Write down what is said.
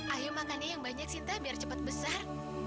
ayo makannya yang banyak sinta biar cepat besar